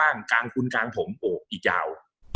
ปั้งปั้งปั้งกลางกุนกลางผมโอ๊ะอีกยาว